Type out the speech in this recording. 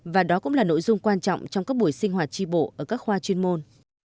và đó cũng là nội dung quan trọng trong các buổi sinh hoạt tri bộ ở các khoa chuyên môn